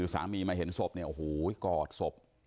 สามีมาเห็นศพเนี่ยโอ้โหกอดศพ